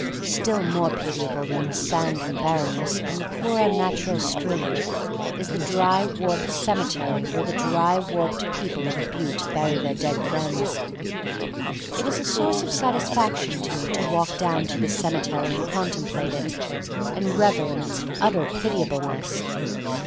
Still more pitiable than the sand and barrenness and the poor unnatural stream is the dry, warped cemetery where the dry, warped people of Butte bury their dead friends. It is a source of satisfaction to me to walk down to this cemetery and contemplate it, and revel in its utter pitiableness.